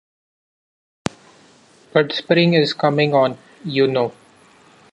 But spring is coming on, you know.